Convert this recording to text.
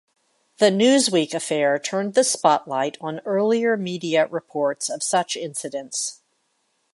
The "Newsweek" affair turned the spotlight on earlier media reports of such incidents.